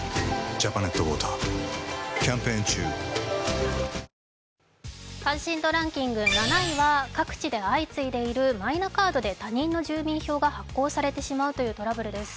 玉井容疑者は仕事ができず自殺しようとし、関心度ランキング７位は各地で相次いでいるマイナカードで他人の住民票が発行されてしまうというトラブルです。